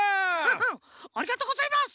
フフッありがとうございます！